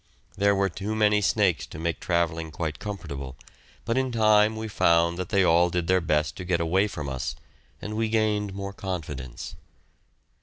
There were too many snakes to make travelling quite comfortable, but in time we found they all did their best to get away from us, and we gained more confidence.